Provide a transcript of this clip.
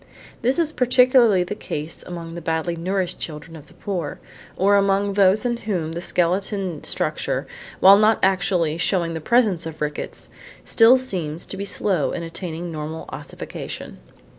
This is particularly the case among the badly nourished children of the poor, or among those in whom the skeleton structure, while not actually showing the presence of rickets, still seems to be slow in attaining normal ossification.